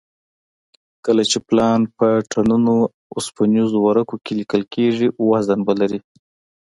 کله چې پلان په ټنونو اوسپنیزو ورقو کې لیکل کېږي وزن به لري